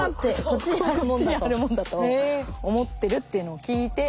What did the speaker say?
こっちに貼るもんだと思ってるっていうのを聞いて。